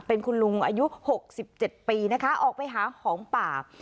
เป็นคุณลุงอายุ๖๗ปีนะคะออกไปหาของป่า